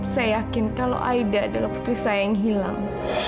saya yakin kalau aida adalah putri saya yang hilang